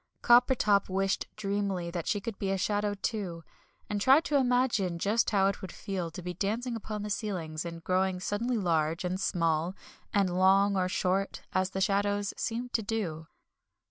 Coppertop wished dreamily that she could be a shadow too, and tried to imagine just how it would feel to be dancing upon the ceilings, and growing suddenly large and small, and long or short, as the shadows seemed to do.